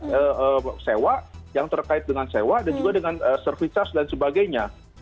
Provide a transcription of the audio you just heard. yang terkait dengan sewa yang terkait dengan sewa dan juga dengan servicers dan sebagainya